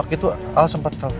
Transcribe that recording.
waktu itu al sempat telfon papa